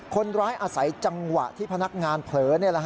คนร้ายอาศัยจังหวะที่พนักงานเผลอ